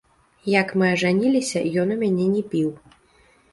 Як мы ажаніліся, ён у мяне не піў.